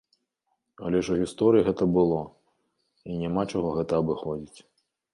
Але ж у гісторыі гэта было, і няма чаго гэта абыходзіць.